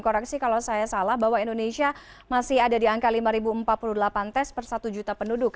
koreksi kalau saya salah bahwa indonesia masih ada di angka lima empat puluh delapan tes per satu juta penduduk